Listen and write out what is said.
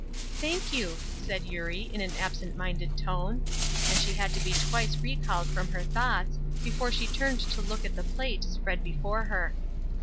"Thank you," said Eurie, in an absent minded tone: and she had to be twice recalled from her thoughts before she turned to look at the plate spread before her.